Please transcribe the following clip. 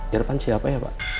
irfan siapa ya pak